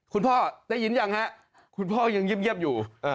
คุณพ่อได้ยินยังฮะคุณพ่อยังเงียบอยู่